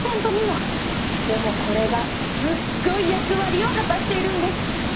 でもこれがすっごい役割を果たしているんです。